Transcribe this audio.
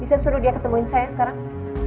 bisa suruh dia ketemuin saya sekarang